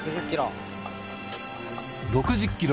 ６０キロ。